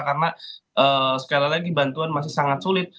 karena sekali lagi bantuan masih sangat sulit